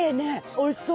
おいしそう！